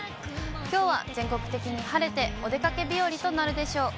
きょうは全国的に晴れて、お出かけ日和となるでしょう。